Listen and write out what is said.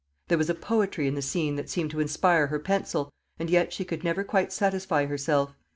There was a poetry in the scene that seemed to inspire her pencil, and yet she could never quite satisfy herself.